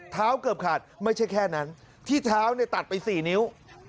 เท้าเกือบขาดไม่ใช่แค่นั้นที่เท้าตัดไป๔นิ้ว